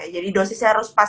jadi dosisnya harus pas